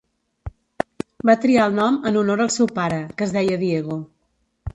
Va triar el nom en honor al seu pare, que es deia Diego.